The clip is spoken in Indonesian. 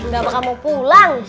gak bakal mau pulang